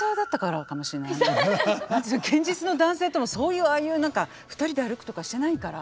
何か現実の男性とのそういうああいう何か２人で歩くとかしてないから。